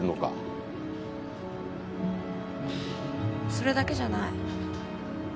それだけじゃない。